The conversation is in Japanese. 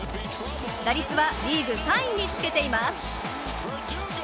打率はリーグ３位につけています。